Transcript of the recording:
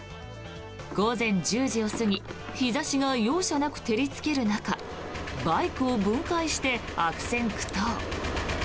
午前１０時を過ぎ日差しが容赦なく照りつける中バイクを分解して悪戦苦闘。